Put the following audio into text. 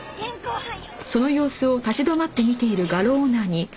はい。